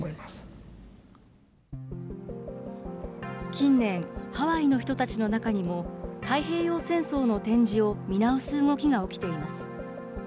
近年、ハワイの人たちの中にも、太平洋戦争の展示を見直す動きが起きています。